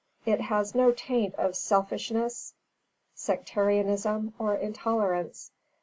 It has no taint of selfishness, sectarianism or intolerance.